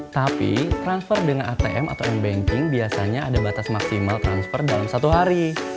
tapi transfer dengan atm atau mbanking biasanya ada batas maksimal transfer dalam satu hari